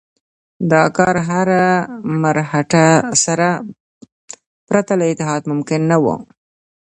دا کار له مرهټه سره پرته له اتحاد ممکن نه وو.